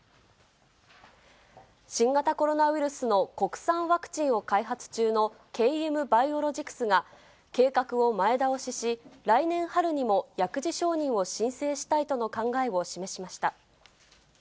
新型コロナウイルスの国産ワクチンを開発中のＫＭバイオロジクスが、計画を前倒しし、来年春にも薬事承認を申請したいとの考えを示しました。